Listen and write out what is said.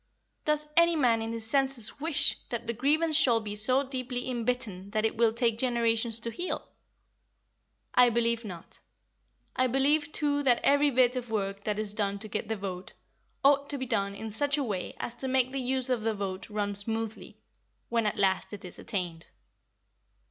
Does any man in his senses wish that the grievance shall be so deeply inbitten that it will take generations to heal? I believe not. I believe too that every bit of work that is done to get the vote ought to be done in such a way as to make the use of the vote run smoothly, when at last it is attained.